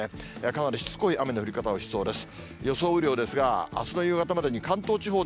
かなりしつこい雨の降り方をしそうです。